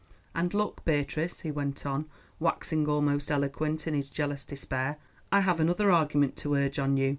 "And look, Beatrice," he went on, waxing almost eloquent in his jealous despair, "I have another argument to urge on you.